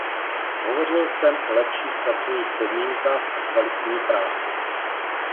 Hovořil jsem o lepších pracovních podmínkách a kvalitní práci.